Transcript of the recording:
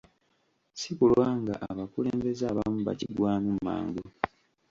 Si kulwanga abakulembeze abamu bakigwamu mangu.